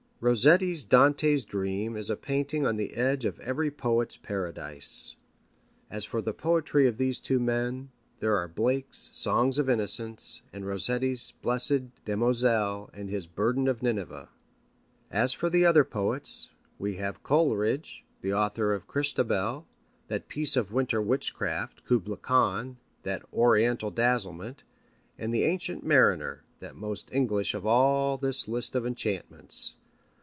Rossetti's Dante's Dream is a painting on the edge of every poet's paradise. As for the poetry of these two men, there are Blake's Songs of Innocence, and Rossetti's Blessed Damozel and his Burden of Nineveh. As for the other poets, we have Coleridge, the author of Christabel, that piece of winter witchcraft, Kubla Khan, that oriental dazzlement, and the Ancient Mariner, that most English of all this list of enchantments.